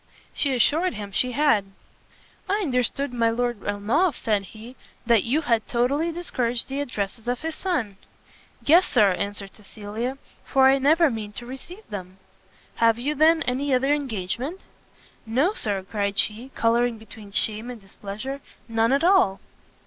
She assured him she had. "I understood my Lord Ernolf," said he, "that you had totally discouraged the addresses of his son?" "Yes, Sir," answered Cecilia, "for I never mean to receive them." "Have you, then, any other engagement?" "No, Sir," cried she, colouring between shame and displeasure, "none at all."